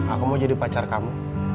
aku mau jadi pacar kamu